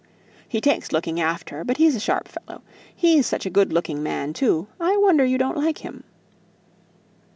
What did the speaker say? "He takes looking after; but he's a sharp fellow. He's such a good looking man, too, I wonder you don't like him."